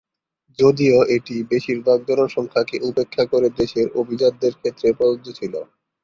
যদিও এটি বেশিরভাগ জনসংখ্যাকে উপেক্ষা করে দেশের অভিজাতদের ক্ষেত্রে প্রযোজ্য ছিল।